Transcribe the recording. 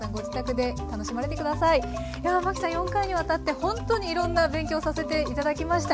ではマキさん４回にわたってほんとにいろんな勉強させて頂きました。